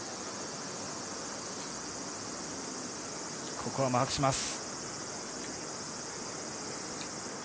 ここはマークします。